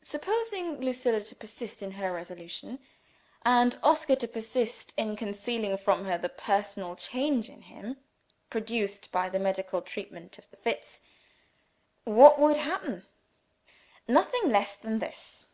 Supposing Lucilla to persist in her resolution, and Oscar to persist in concealing from her the personal change in him produced by the medical treatment of the fits, what would happen? Nothing less than this.